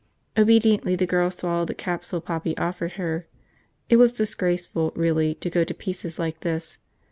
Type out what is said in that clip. Obediently the girl swallowed the capsule Poppy offered her. It was disgraceful, really, to go to pieces like this.